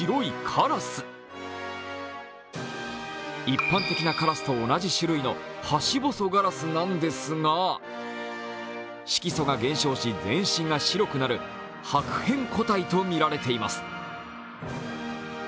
一般的なカラスと同じ種類のハシボソガラスなんですが、色素が減少し、全身が白くなる白変個体とみられています。